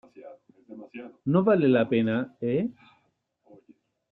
no vale la pena, ¿ eh?